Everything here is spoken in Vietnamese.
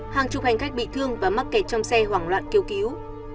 hàng chục hành khách bị thương và mắc kẹt trong xe hoảng loạn kêu cứu